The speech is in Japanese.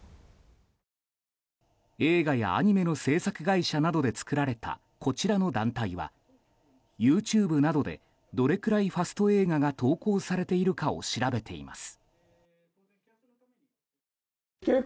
映画やアニメの制作会社などで作られたこちらの団体はＹｏｕＴｕｂｅなどでどれくらいファスト映画が投稿されているかを調べています。